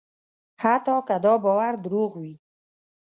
حتی که دا باور دروغ وي.